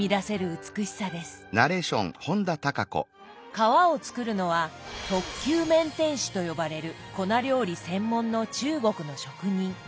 皮を作るのは「特級麺点師」と呼ばれる粉料理専門の中国の職人。